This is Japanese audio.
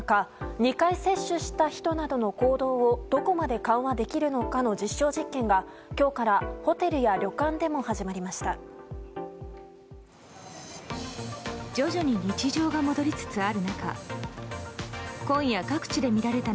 ２回接種した人などの行動をどこまで緩和できるのかの実証実験が、今日からホテルや旅館でも始まりました。